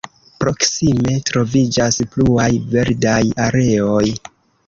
Proksime troviĝas pluaj verdaj areoj.